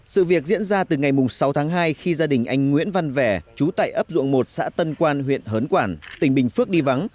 sự việc diễn ra từ ngày sáu tháng hai khi gia đình anh nguyễn văn vẻ trú tại ấp ruộng một xã tân quan huyện hớn quản tỉnh bình phước đi vắng